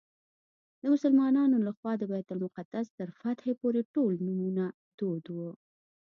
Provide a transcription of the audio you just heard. د مسلمانانو له خوا د بیت المقدس تر فتحې پورې ټول نومونه دود وو.